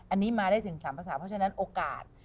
อันนี้มาได้ถึง๓ภาษาเพราะฉะนั้นโอกาส